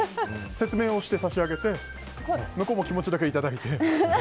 説明をしてさしあげて向こうも気持ちだけいただいて。